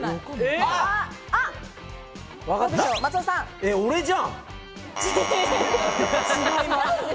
えっ、俺じゃん！